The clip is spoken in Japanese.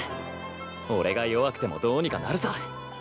俺が弱くてもどうにかなるさ。